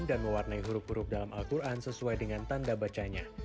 dan mewarnai huruf huruf dalam al quran sesuai dengan tanda bacanya